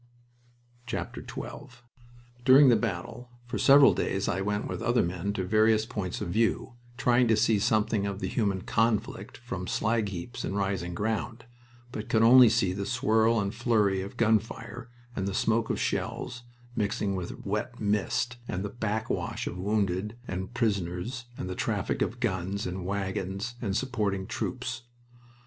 XII During the battle, for several days I went with other men to various points of view, trying to see something of the human conflict from slag heaps and rising ground, but could only see the swirl and flurry of gun fire and the smoke of shells mixing with wet mist, and the backwash of wounded and prisoners, and the traffic of guns, and wagons, and supporting troops.